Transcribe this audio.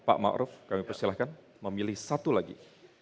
pak ma'ruf kami persilahkan memilih satu lagi